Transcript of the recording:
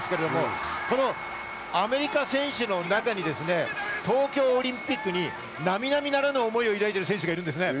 このアメリカ選手の中に東京オリンピックに並々ならぬ思いを抱いている選手がいます。